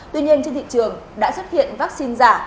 tuy nhiên trên thị trường đã xuất hiện vaccine giả